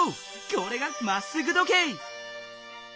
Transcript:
これが「まっすぐ時計」！